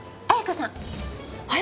あやかさん？